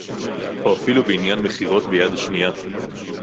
או אפילו בעניין מכירות ביד שנייה